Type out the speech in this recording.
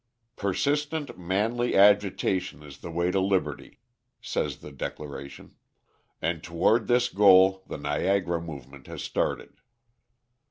"Persistent manly agitation is the way to liberty," says the declaration, "and toward this goal the Niagara movement has started."